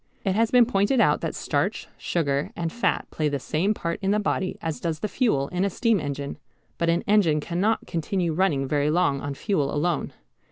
It has been pointed out that starch, sugar, and fat play the same part in the body as does the fuel in a steam engine. But an engine cannot continue running very long on fuel alone.